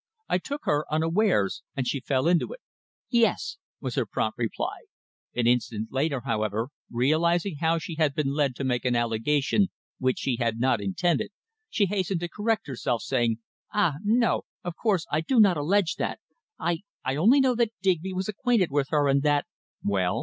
I took her unawares, and she fell into it. "Yes," was her prompt response. An instant later, however, realising how she had been led to make an allegation which she had not intended, she hastened to correct herself, saying: "Ah, no! Of course, I do not allege that. I I only know that Digby was acquainted with her, and that " "Well?"